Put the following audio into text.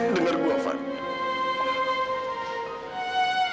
dengar gua van